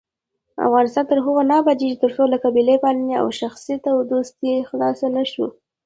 افغانستان تر هغو نه ابادیږي، ترڅو له قبیلې پالنې او شخصي دوستۍ خلاص نشو.